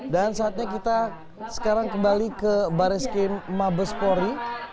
dan saatnya kita sekarang kembali ke baris krim mabespori